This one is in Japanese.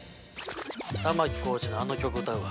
◆玉置浩二の、あの曲歌うわ。